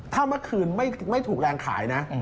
ถ้าเมื่อคืนไม่ถูกแรงขายนะ